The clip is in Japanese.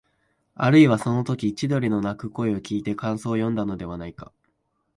あるいは、そのとき千鳥の鳴く声をきいて感想をよんだのではないか、